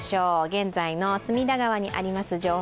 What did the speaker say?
現在の隅田川にあります